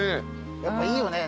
やっぱいいよね。